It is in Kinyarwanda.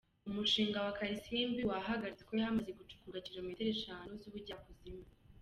Umushinga wa Kalisimbi wahagaritswe hamaze gucukurwa kilometero eshanu z’ubujyakuzimu.